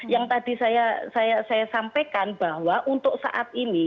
yang tadi saya sampaikan bahwa untuk saat ini